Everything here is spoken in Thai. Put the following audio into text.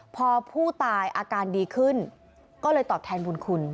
พอผู้ตายอาการดีขึ้นก็เลยตอบแทนบุญคุณ